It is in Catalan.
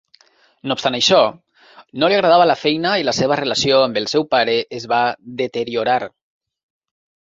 No obstant això, no li agradava la feina i la seva relació amb el seu pare es va deteriorar.